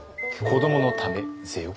子どものためぜよ。